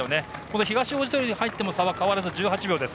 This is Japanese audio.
東大路通に入っても差は変わらず１８秒です。